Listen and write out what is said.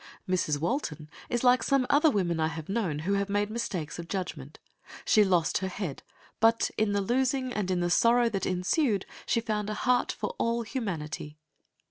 Mrs. Walton is like some other women I have known, who have made mistakes of judgment. She lost her head, but in the losing and the sorrow that ensued she found a heart for all humanity.